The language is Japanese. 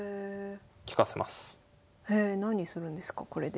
へえ何するんですかこれで。